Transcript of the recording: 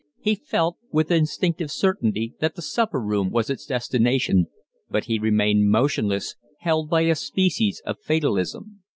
He felt with instinctive certainty that the supper room was its destination, but he remained motionless, held by a species of fatalism.